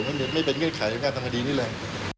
มันไม่เป็นเงื่อนไขของการทำคดีนี้เลย